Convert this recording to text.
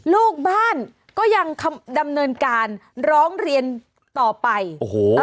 ลูกบ้านก็ยังดำเนินการร้องเรียนต่อไปโอ้โห